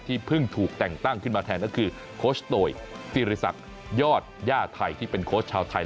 เพิ่งถูกแต่งตั้งขึ้นมาแทนก็คือโคชโตยธิริสักยอดย่าไทยที่เป็นโค้ชชาวไทย